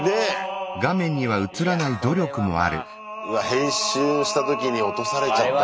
編集した時に落とされちゃったのか。